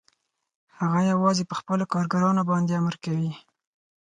هغه یوازې په خپلو کارګرانو باندې امر کوي